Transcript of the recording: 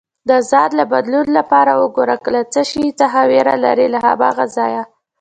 د ځان له بدلون لپاره وګوره له څه شي څخه ویره لرې، له هماغه ځایه